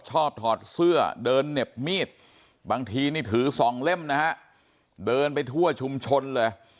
ถอดเสื้อเดินเหน็บมีดบางทีนี่ถือสองเล่มนะฮะเดินไปทั่วชุมชนเลย